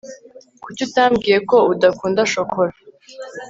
kuki utambwiye ko udakunda shokora